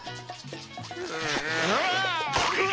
うわ！